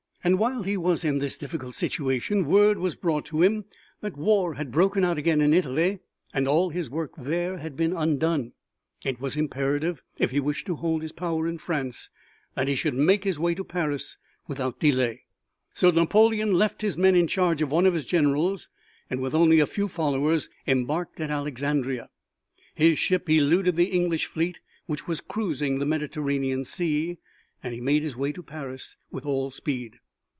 And while he was in this difficult situation word was brought to him that war had broken out again in Italy and all his work there had been undone. It was imperative, if he wished to hold his power in France, that he should make his way to Paris without delay. So Napoleon left his men in the charge of one of his generals, and with only a few followers embarked at Alexandria. His ship eluded the English fleet which was cruising the Mediterranean Sea, and he made his way to Paris with all speed.